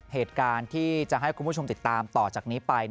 เหตุการณ์ที่จะให้คุณผู้ชมติดตามต่อจากนี้ไป